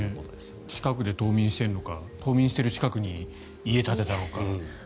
近くで冬眠しているのか冬眠している近くに家を建てたのか。